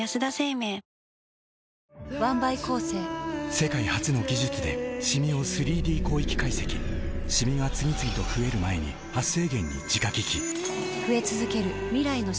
世界初の技術でシミを３Ｄ広域解析シミが次々と増える前に「メラノショットＷ」